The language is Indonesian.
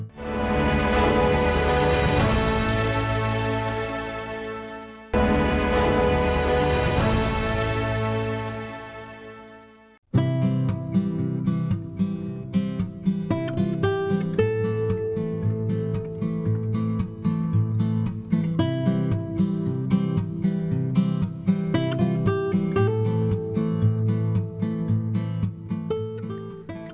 sebenarnya ini adalah karyawannya